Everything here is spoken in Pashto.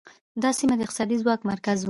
دا سیمه د اقتصادي ځواک مرکز و